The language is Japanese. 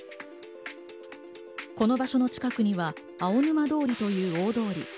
この場所の近くには青沼通りという大通り。